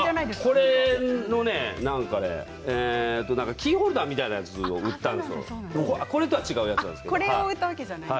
これのキーホルダーみたいなやつを売ったんですよ、これとは違うやつなんですけれども。